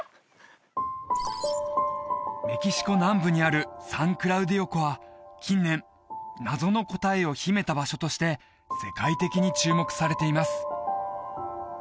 メキシコ南部にあるサン・クラウディオ湖は近年謎の答えを秘めた場所として世界的に注目されています